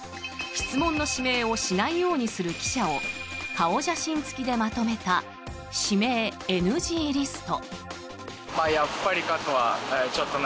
質問の指名をしないようにする記者を顔写真付きでまとめた指名ＮＧリスト。